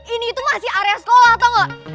ini tuh masih area sekolah atau gak